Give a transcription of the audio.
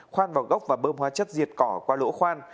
khoan vào gốc và bơm hóa chất diệt cỏ qua lỗ khoan